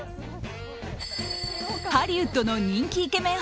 ハリウッドの人気イケメン